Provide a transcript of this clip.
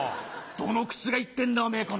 どの口が言ってんだおめぇ。